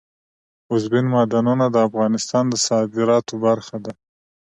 اوبزین معدنونه د افغانستان د صادراتو برخه ده.